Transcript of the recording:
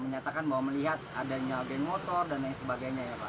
menyatakan bahwa melihat adanya geng motor dan lain sebagainya ya pak